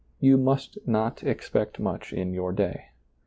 You must not expect much in your day.